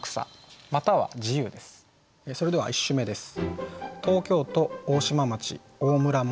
それでは１首目です。